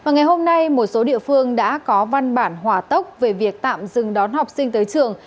ngày hôm nay một số địa phương đã có văn bản hỏa tốc về việc tạm dừng đón học sinh tới trường